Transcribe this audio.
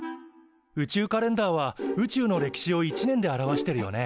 宇宙カレンダーは宇宙の歴史を１年で表してるよね。